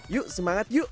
yuk semangat yuk